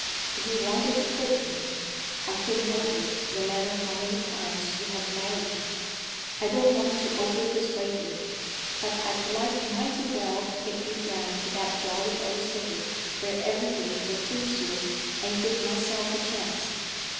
If you wanted to quit me, I couldn't hold you, no matter how many times you had married me. I don't want to overpersuade you. But I'd like mighty well to get you down to that jolly old city, where everything would please you, and give myself a chance.